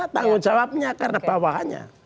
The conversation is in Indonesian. tanggung jawabnya karena bawahnya